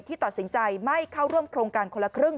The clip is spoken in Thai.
ตัดสินใจไม่เข้าร่วมโครงการคนละครึ่ง